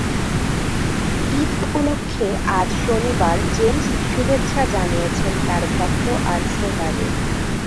ঈদ উপলক্ষে আজ শনিবার জেমস শুভেচ্ছা জানিয়েছেন তাঁর ভক্ত আর শ্রোতাদের।